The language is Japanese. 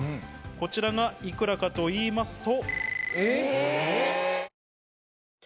こちらがいくらかといいますと。